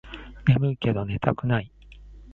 ねむいけど寝たくない